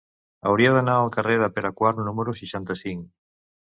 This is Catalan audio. Hauria d'anar al carrer de Pere IV número seixanta-cinc.